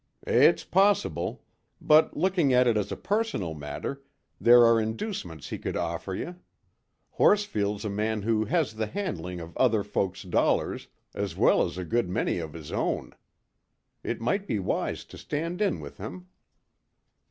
"It's possible. But, looking at it as a personal matter, there are inducements he could offer ye. Horsfield's a man who has the handling of other folks' dollars, as weel as a good many of his own. It might be wise to stand in with him."